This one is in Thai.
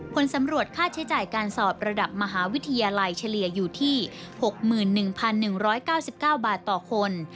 ผลสำรวจค่าใช้จ่ายการสอบระดับมหาวิทยาลัยเฉลี่ยอยู่ที่๖๑๑๙๙บาทต่อคน